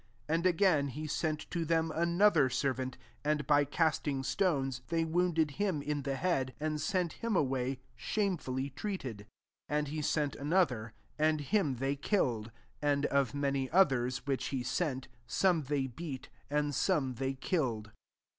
4 And again, he sent to them another servant : and {by cast ing stones^ they wounded him in the head, and sent him away shamefully treated. 5 And he sent another ; and him they killed; and of many others, which he aent^ some they beat, and some they killed.